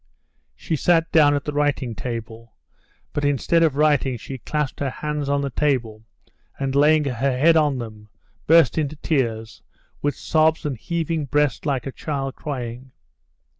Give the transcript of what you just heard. She sat down at the writing table, but instead of writing she clasped her hands on the table, and, laying her head on them, burst into tears, with sobs and heaving breast like a child crying.